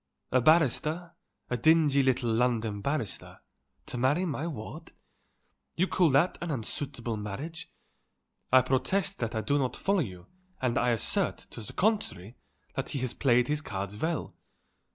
A barrister, a dingy little London barrister, to marry my ward? You call that an unsuitable marriage? I protest that I do not follow you and I assert, to the contrary, that he has played his cards well.